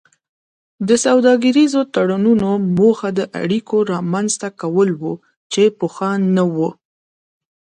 د سوداګریزو تړونونو موخه د اړیکو رامینځته کول وو چې پخوا نه وو